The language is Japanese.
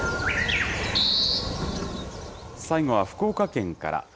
最後は、福岡県から。